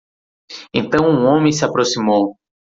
Então um homem se aproximou.